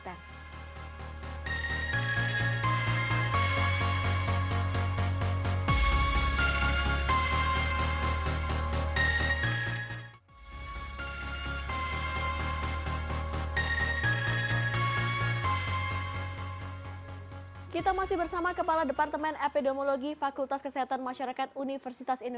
sampai jumpa di episode selanjutnya